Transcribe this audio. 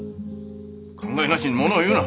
考えなしにものを言うな。